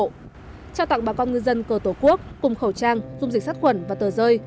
trao tặng bà con ngư dân cờ tổ quốc cùng khẩu trang dung dịch sát khuẩn và tờ rơi